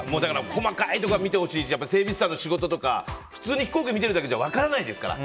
細かいところは見てほしいし整備士さんの仕事とか普通に飛行機見てるだけじゃ分からないですから。